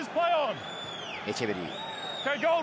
エチェベリー。